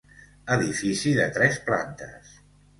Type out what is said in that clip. Edifici de tres plantes.